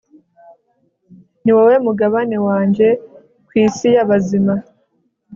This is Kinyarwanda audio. ni wowe mugabane wanjye ku isi y'abazima